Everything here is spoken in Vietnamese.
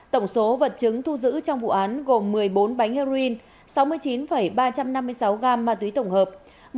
tổng số vật chứng thu giữ trong vụ án gồm một mươi bốn bánh heroin sáu mươi chín ba trăm năm mươi sáu gam ma túy tổng hợp